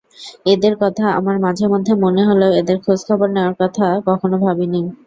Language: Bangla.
এঁদের কথা আমার মাঝেমধ্যে মনে হলেও এঁদের খোঁজখবর নেওয়ার কথা কখনো ভাবিনি।